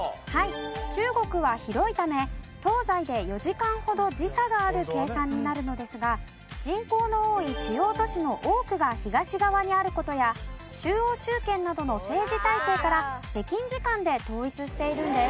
中国は広いため東西で４時間ほど時差がある計算になるのですが人口の多い主要都市の多くが東側にある事や中央集権などの政治体制から北京時間で統一しているんです。